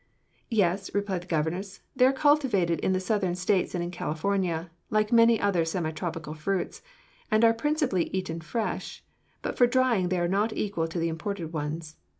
"Yes," replied his governess; "they are cultivated in the Southern States and in California, like many other semi tropical fruits, and are principally eaten fresh, but for drying they are not equal to the imported ones.